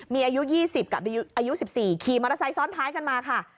มีอายุ๒๐กับอายุ๑๔ขี่มอเตอร์ไซค์ซ้อนท้ายกันมาค่ะ